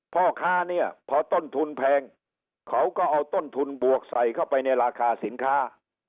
พ่อค้าเนี่ยพอต้นทุนแพงเขาก็เอาต้นทุนบวกใส่เข้าไปในราคาสินค้า